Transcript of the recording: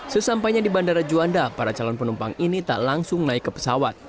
sesampainya di bandara juanda para calon penumpang ini tak langsung naik ke pesawat